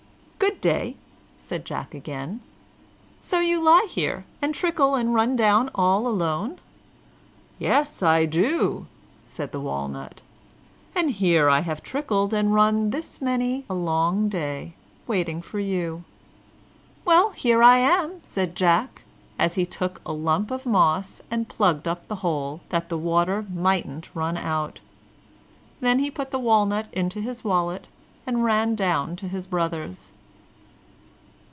"Good day!" said Jack again; "So you lie here, and trickle and run down all alone?" "Yes, I do," said the Walnut; "and here have I trickled and run this many a long day, waiting for you." "Well, here I am," said Jack, as he took up a lump of moss, and plugged up the hole, that the water mightn't run out. Then he put the walnut into his wallet, and ran down to his brothers.